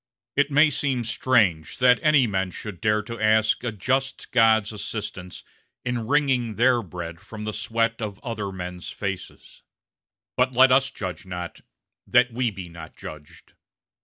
It may seem strange that any men should dare to ask a just God's assistance in wringing their bread from the sweat of other men's faces; but let us judge not, that we be not judged.